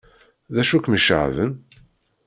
D acu kem-iceɣben?